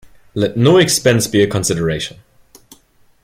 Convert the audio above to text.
Let no expense be a consideration.